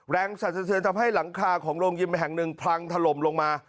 สัดสะเทือนทำให้หลังคาของโรงยิมแห่งหนึ่งพังถล่มลงมา